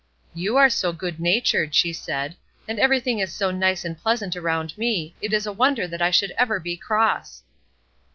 "You are so good natured," she said, "and everything is so nice and pleasant around me, it is a wonder that I should ever be cross!"